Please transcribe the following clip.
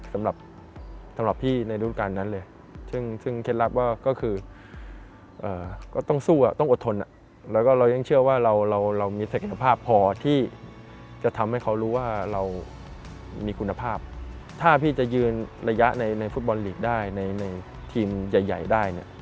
ถ้าพี่จะยืนระยะในฟุตบอลลีกได้ในทีมใหญ่ได้